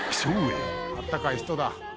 あったかい人だ。